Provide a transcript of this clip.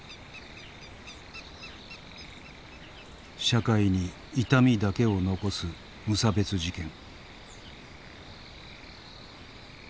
社会に痛みだけを残す無差別事件。